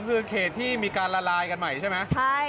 คือเขตที่มีการละลายกันใหม่ใช่ไหม